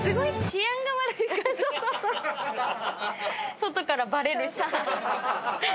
外からバレるし。